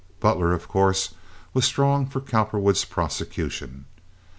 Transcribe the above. Butler, of course, was strong for Cowperwood's prosecution.